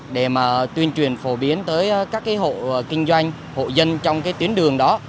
để tuyên truyền phổ biến tới các hộ kinh doanh hộ dân trong tuyến đường đó